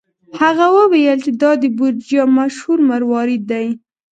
هغه وویل چې دا د بورجیا مشهور مروارید دی.